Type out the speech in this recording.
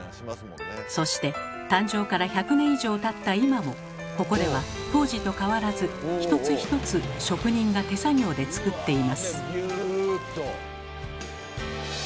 そして誕生から１００年以上たった今もここでは当時と変わらず一つ一つ職人が手作業で作っています。